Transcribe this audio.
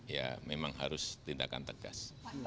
ya memang harus tindakan tegas